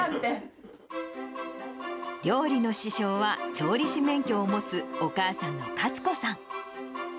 料理の師匠は、調理師免許を持つお母さんのカツ子さん。